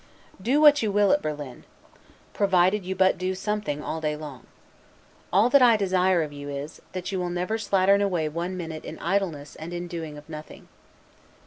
Do what you will at Berlin, provided you do but do something all day long. All that I desire of you is, that you will never slattern away one minute in idleness and in doing of nothing.